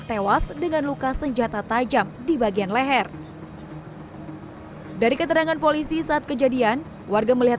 tewas dengan luka senjata tajam di bagian leher dari keterangan polisi saat kejadian warga melihat